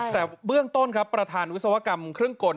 แต่เบื้องต้นครับประธานวิศวกรรมเครื่องกล